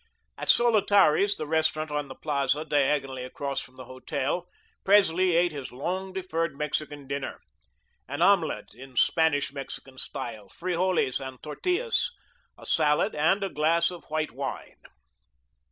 At Solotari's, the restaurant on the Plaza, diagonally across from the hotel, Presley ate his long deferred Mexican dinner an omelette in Spanish Mexican style, frijoles and tortillas, a salad, and a glass of white wine.